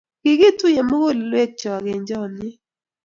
Kikituiyo mugulelwek cho eng chamyet